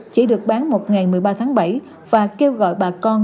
chỉ được bán một ngày một mươi ba tháng bảy và kêu gọi bà con